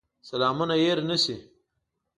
سلامونه هېر نه شي.